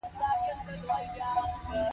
هو، نوی مهارتونه زده کوم